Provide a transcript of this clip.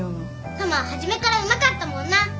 タマは初めからうまかったもんな。